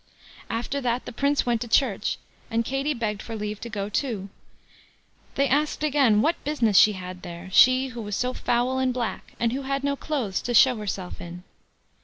After that the Prince went to church, and Katie begged for leave to go too. They asked again what business she had there, she who was so foul and black, and who had no clothes to show herself in.